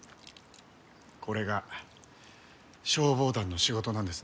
これが消防団の仕事なんですね。